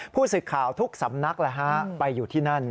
ผู้สื่อข่าวทุกสำนักไปอยู่ที่นั่น